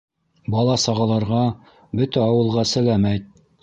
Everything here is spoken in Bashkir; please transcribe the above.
Бала-сағаларға, бөтә ауылға сәләм әйт.